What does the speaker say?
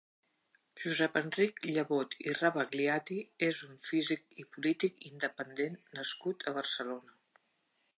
Josep Enric Llebot i Rabagliati és un físic i polític independent nascut a Barcelona.